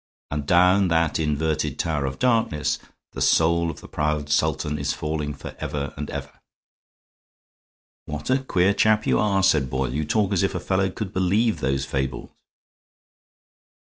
And down that inverted tower of darkness the soul of the proud Sultan is falling forever and ever." "What a queer chap you are," said Boyle. "You talk as if a fellow could believe those fables."